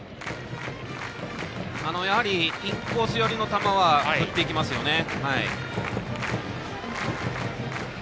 インコース寄りの球は振ってきますよね。